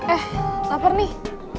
eh lapar nih